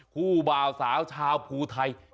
ผู้บ่าสาวชาวผู้ไทย